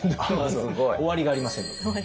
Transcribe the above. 終わりがありませんので。